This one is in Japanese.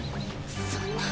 そんな。